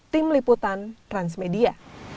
tim liputan transmedia